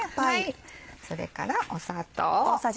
それから砂糖。